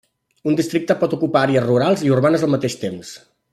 Un districte pot ocupar àrees rurals i urbanes al mateix temps.